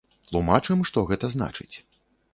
Тлумачым, што гэта значыць.